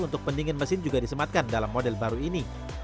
untuk pendingin mesin juga disematkan dalam model baru ini